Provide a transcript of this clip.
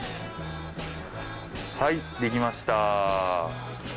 はいできました。